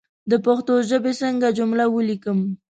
د پښتو ژبى څنګه جمله وليکم